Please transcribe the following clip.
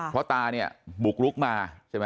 เพราะตาเนี่ยบุกลุกมาใช่ไหม